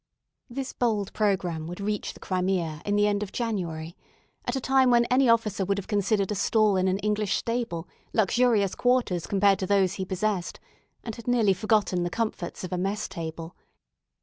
This bold programme would reach the Crimea in the end of January, at a time when any officer would have considered a stall in an English stable luxurious quarters compared to those he possessed, and had nearly forgotten the comforts of a mess table.